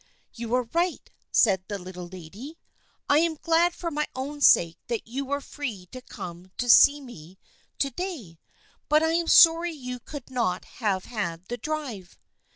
" You are right," said the Little Lady. "I am glad for my own sake that you were free to come to see me to day, but I am sorry you could not have had the drive."